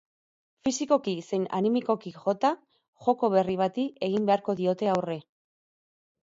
Fisikoki zein animikoki jota, joko berri bati egin beharko diote aurre.